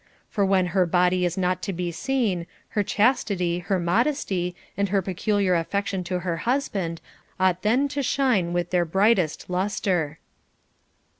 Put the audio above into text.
For when her body is not to be seen, her chas tity, her modesty, and her peculiar affection to her hus band ought then to shine with their brightest lustre.